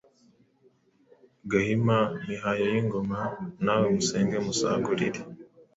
Gahima, Mihayo y’ingoma, Na we musenge musagurire